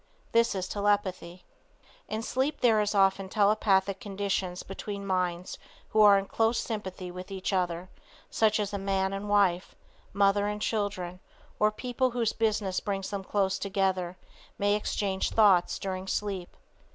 This is telepathy. In sleep there is often telepathic conditions between minds who are in close sympathy with each other, such as man and wife, mother and children, or people whose business brings them close together, may exchange thoughts during sleep.